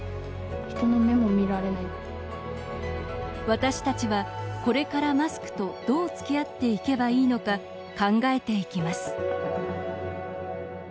私たちは、これからマスクとどうつきあっていけばいいのか考えていきます